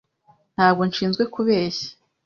Ntabwo nshinzwe kubeshya.